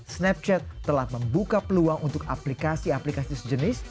snapchat telah membuka peluang untuk aplikasi aplikasi sejenis